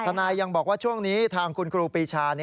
นายยังบอกว่าช่วงนี้ทางคุณครูปีชา